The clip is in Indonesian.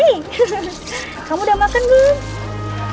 hei kamu udah makan belum